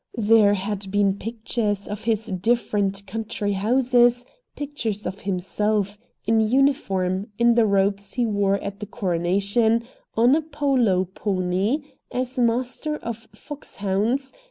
There had been pictures of his different country houses, pictures of himself; in uniform, in the robes he wore at the coronation, on a polo pony, as Master of Fox hounds.